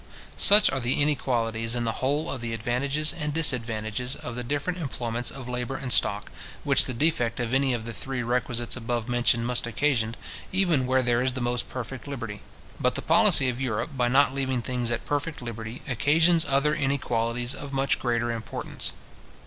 Such are the inequalities in the whole of the advantages and disadvantages of the different employments of labour and stock, which the defect of any of the three requisites above mentioned must occasion, even where there is the most perfect liberty. But the policy of Europe, by not leaving things at perfect liberty, occasions other inequalities of much greater importance.